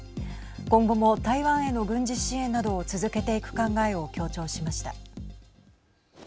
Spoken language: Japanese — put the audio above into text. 今後も台湾への軍事支援などを続けていく考えを強調しました。